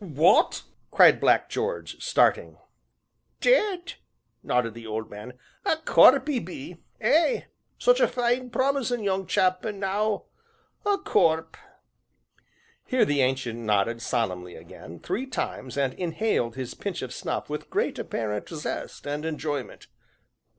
"What!" cried Black George, starting. "Dead!" nodded the old man, "a corp' 'e be eh! such a fine, promisin' young chap, an' now a corp'." Here the Ancient nodded solemnly again, three times, and inhaled his pinch of snuff with great apparent zest and enjoyment.